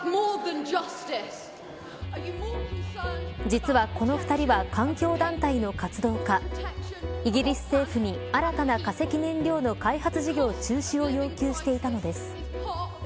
実はこの２人は環境団体の活動家イギリス政府に新たな化石燃料の開発事業中止を要求していたのです。